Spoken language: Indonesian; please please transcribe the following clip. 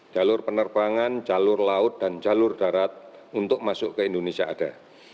jalur penerbangan jalur laut dan jalur darat untuk masuk ke indonesia ada